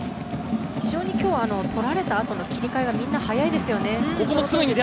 今日はとられたあとの切り替えがみんな早いですね。